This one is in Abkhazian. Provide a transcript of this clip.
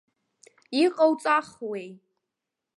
Иҟоуҵахуеи.